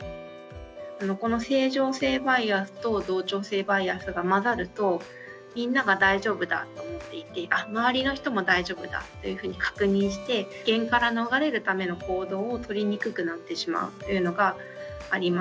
この正常性バイアスと同調性バイアスが混ざるとみんなが大丈夫だと思っていてあっ周りの人も大丈夫だというふうに確認して危険から逃れるための行動をとりにくくなってしまうというのがあります。